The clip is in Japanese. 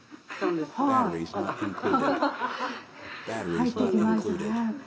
入ってきましたはい。